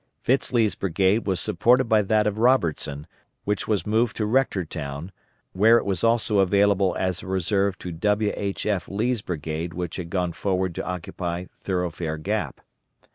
Fitz Lee's brigade was supported by that of Robertson which was moved to Rectortown, where it was also available as a reserve to W. H. F. Lee's brigade which had gone forward to occupy Thoroughfare Gap.